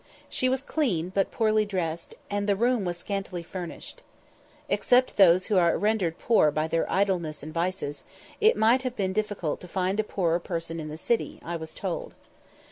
She was clean, but poorly dressed, and the room was scantily furnished. Except those who are rendered poor by their idleness and vices, it might have been difficult to find a poorer person in the city, I was told.